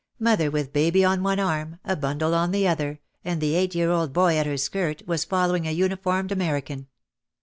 Mother with baby on one arm, a bundle on the other, and the eight year old boy at her skirt, was following a uniformed American.